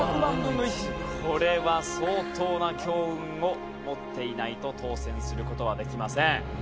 これは相当な強運を持っていないと当せんする事はできません。